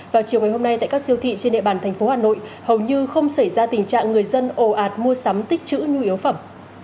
vào chiều ngày hôm nay tại các siêu thị trên địa bàn thành phố hà nội hầu như không xảy ra tình trạng người dân ồ ạt mua sắm tích chữ nhu yếu phẩm